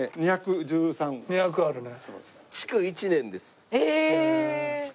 ２００あるね。